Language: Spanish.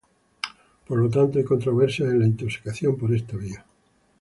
Por lo tanto hay controversias en la intoxicación por esta vía.